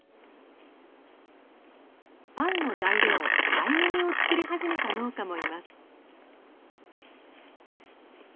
パンの材料ライ麦を作り始めた農家もいます。